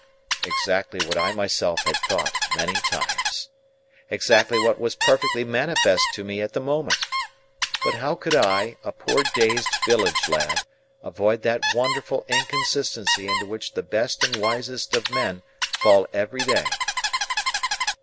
Exactly what I myself had thought, many times. Exactly what was perfectly manifest to me at the moment. But how could I, a poor dazed village lad, avoid that wonderful inconsistency into which the best and wisest of men fall every day?